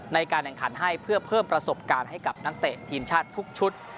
ในการแข่งขันให้เพื่อเพิ่มประสบการณ์ให้กับนักเตะทีมชาติทุกชุด